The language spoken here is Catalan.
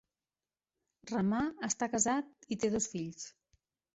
Remar està casat i té dos fills.